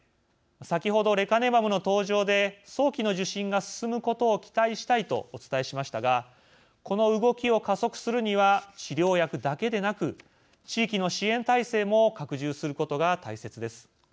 先ほどレカネマブの登場で早期の受診が進むことを期待したいとお伝えしましたがこの動きを加速するには治療薬だけでなく地域の支援体制も拡充することが大切です。